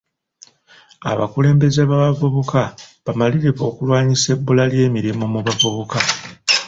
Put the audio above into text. Abakulembeze b'abavubuka bamalirivu okulwanyisa ebbula ly'emirimu mu bavubuka.